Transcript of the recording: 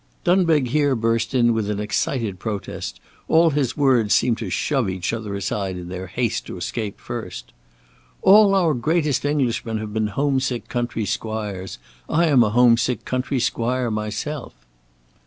Dunbeg here burst in with an excited protest; all his words seemed to shove each other aside in their haste to escape first. "All our greatest Englishmen have been home sick country squires. I am a home sick country squire myself."